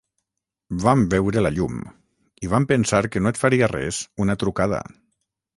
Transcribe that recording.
Vam veure la llum, i vam pensar que no et faria res una trucada.